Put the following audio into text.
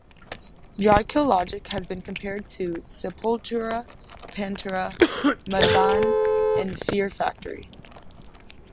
Dry Kill Logic has been compared to Sepultura, Pantera, Mudvayne and Fear Factory.